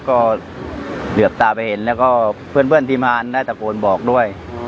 ก็เหลือบตาไปเห็นแล้วก็เพื่อนที่มาได้ตะโกนบอกด้วย